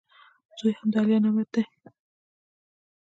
زوی هم د الله نعمت دئ.